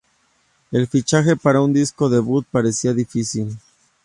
El fichaje para un disco debut parecía difícil.